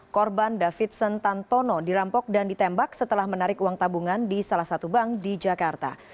korban davidson tantono dirampok dan ditembak setelah menarik uang tabungan di salah satu bank di jakarta